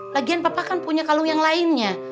bagian papa kan punya kalung yang lainnya